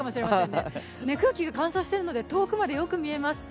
空気乾燥してるので遠くまで、よく見えます。